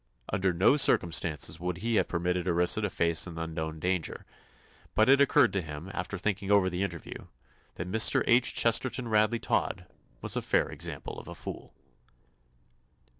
Under no circumstances would he have permitted Orissa to face an unknown danger, but it occurred to him, after thinking over the interview, that Mr. H. Chesterton Radley Todd was a fair example of a fool.